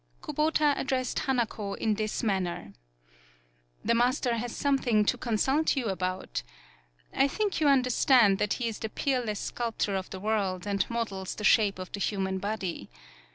Kubota addressed Hanako in this manner. "The master has something to con sult you about. I think you under stand that he is the peerless sculptor of 45 PAULOWNIA the world, and models the shape of the human body.